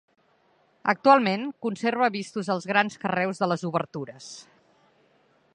Actualment conserva vistos els grans carreus de les obertures.